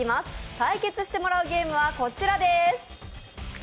対決してもらうゲームはこちらです。